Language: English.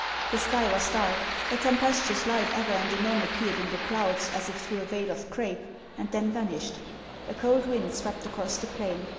The sky was dark ; a tempestuous light ever and anon appeared in the clouds as if through a veil of crape and then vanished ; a cold wind swept across the 340 HANS OF ICELAND. plain.